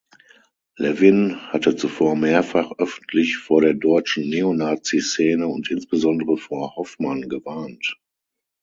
Levin hatte zuvor mehrfach öffentlich vor der deutschen Neonaziszene und insbesondere vor Hoffmann gewarnt.